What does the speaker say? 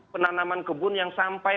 penanaman kebun yang sampai